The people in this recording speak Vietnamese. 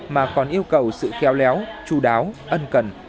mà còn yêu cầu sự khéo léo chú đáo ân cần